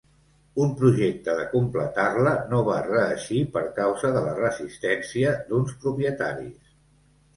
Un projecte de completar-la no va reeixir per causa de la resistència d'uns propietaris.